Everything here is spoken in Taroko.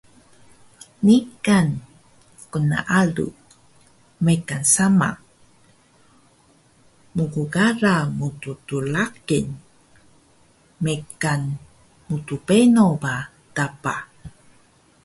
Niqan gnaalu, mekan sama, mgkala mttraqil, mekan mtbeno ba dapa